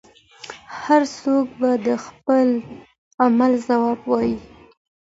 هر څوک به د خپل عمل ځواب وايي.